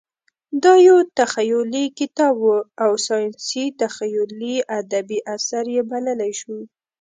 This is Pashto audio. دا یو تخیلي کتاب و او ساینسي تخیلي ادبي اثر یې بللی شو.